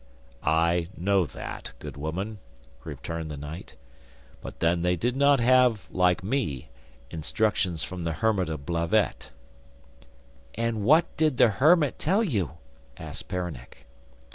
'I know that, good woman,' returned the knight, 'but then they did not have, like me, instructions from the hermit of Blavet.' 'And what did the hermit tell you?' asked Peronnik.